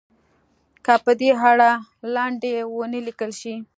که په دې اړه لنډۍ ونه لیکل شي.